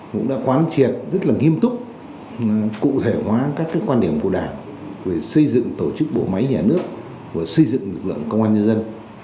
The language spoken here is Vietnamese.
cũng đã quán triệt rất là nghiêm túc cụ thể hóa các quan điểm của đảng về xây dựng tổ chức bộ máy nhà nước xây dựng lực lượng công an nhân dân